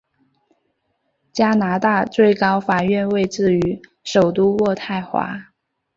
加拿大最高法院位置于首都渥太华。